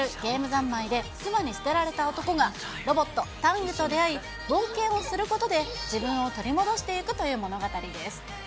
ざんまいで妻に捨てられた男が、ロボット、タングと出会い冒険をすることで、自分を取り戻していくという物語です。